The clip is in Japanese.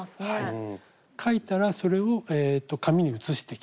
書いたらそれを紙に写していきます。